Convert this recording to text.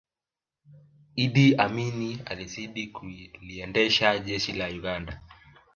iddi amini alizidi kuliendesha jeshi la uganda